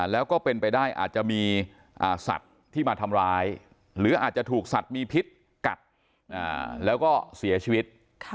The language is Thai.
แล้วก็เป็นไปได้อาจจะมีสัตว์ที่มาทำร้ายหรืออาจจะถูกสัตว์มีพิษกัดแล้วก็เสียชีวิต